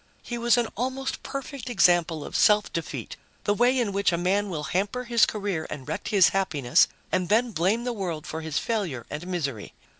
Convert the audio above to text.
He was an almost perfect example of self defeat, the way in which a man will hamper his career and wreck his happiness, and then blame the world for his failure and misery.